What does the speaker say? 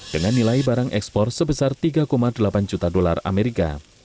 dengan nilai barang ekspor sebesar tiga delapan juta dolar amerika